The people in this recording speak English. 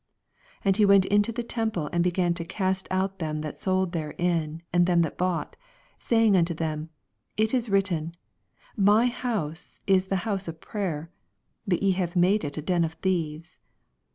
y^5 And he went into the temple, and began to cast out them that sold therein, and them that bought ; 46 Saying unto them. It is written, My house is the house of prayer : but ye have made it a den of thieves.